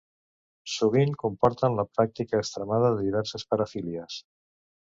Sovint comporten la pràctica extremada de diverses parafílies.